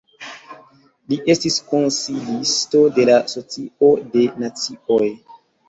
Li estis konsilisto de la Socio de Nacioj.